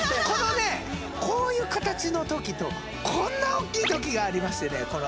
このねこういう形の時とこんな大きい時がありましてね